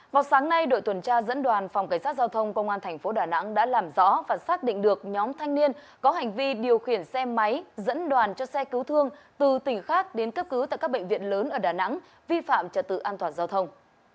vào sáng nay đội tuần tra dẫn đoàn phòng cảnh sát giao thông công an thành phố đà nẵng đã làm rõ và xác định được nhóm thanh niên có hành vi điều khiển xe máy dẫn đoàn cho xe cứu thương từ tỉnh khác đến cấp cứu tại các bệnh viện lớn ở đà nẵng vi phạm trật tự an toàn giao thông